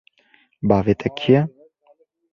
Bavê te kî ye?